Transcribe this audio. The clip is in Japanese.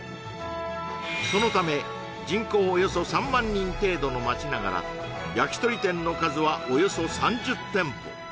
そのため人口およそ３万人程度の町ながらやきとり店の数はおよそ３０店舗